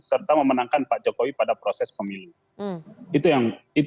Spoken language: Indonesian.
serta memenangkan pak jokowi pada proses pemilu